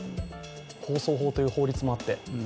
放送法という法律もあって。